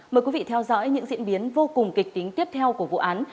mời quý vị theo dõi những diễn biến vô cùng kịch tính tiếp theo của vụ án